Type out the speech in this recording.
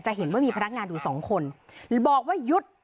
เห็นว่ามีพนักงานอยู่สองคนบอกว่าหยุด